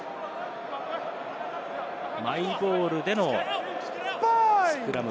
マイボールでのスクラム。